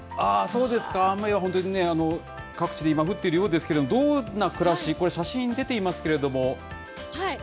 そうですか、雨は本当にね、各地で今、降っているようですけれども、どんな暮らし、これ、写真出ていますけれども。